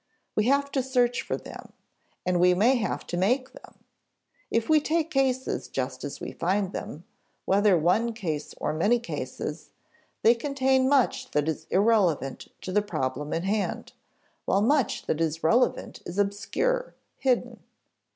We have to search for them, and we may have to make them. If we take cases just as we find them whether one case or many cases they contain much that is irrelevant to the problem in hand, while much that is relevant is obscure, hidden.